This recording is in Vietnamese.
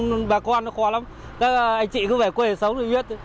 tại bây giờ bà con nó khó lắm các anh chị cứ về quê sống rồi biết